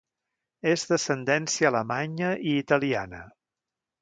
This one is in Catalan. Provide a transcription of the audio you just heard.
És d'ascendència alemanya i italiana.